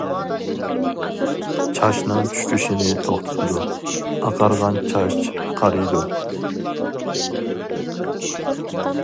چاچنىڭ چۈشۈشىنى توختىتىدۇ، ئاقارغان چاچ قارىيىدۇ.